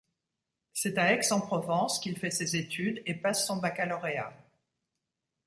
C’est à Aix-en-Provence qu’il fait ses études et passe son baccalauréat.